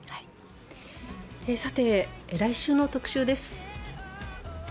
来週の特集です。